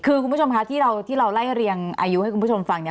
คือคุณผู้ชมคะที่เราที่เราไล่เรียงอายุให้คุณผู้ชมฟังเนี่ย